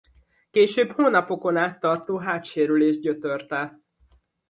Később hónapokon át tartó hátsérülés gyötörte.